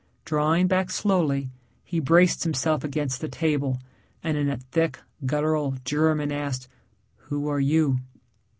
Drawing back slowly he braced himself against the table, and in a thick, guttural German asked, "Who are you?"